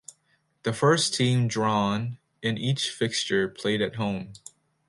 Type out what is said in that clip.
The first team drawn in each fixture played at home.